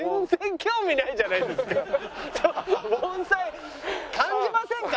盆栽感じませんか？